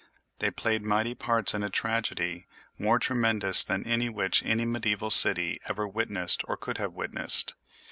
They played mighty parts in a tragedy more tremendous than any which any mediæval city ever witnessed or could have witnessed.